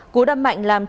cú đâm mạnh làm chính